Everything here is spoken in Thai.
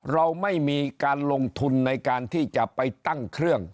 เราไม่มีการลงทุนในการที่จะไปตั้งเครื่อง